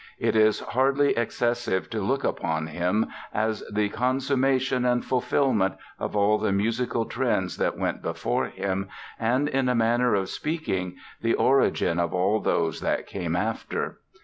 It is hardly excessive to look upon him as the consummation and fulfillment of all the musical trends that went before him and, in a manner of speaking, the origin of all those that came after.